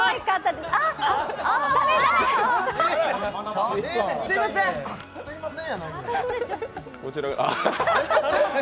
すみません！